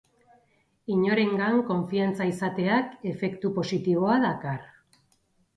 Inorengan konfiantza izateak efektu positiboa dakar